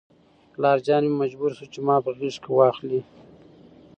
پلارجان مې مجبور شو چې ما په غېږ کې واخلي.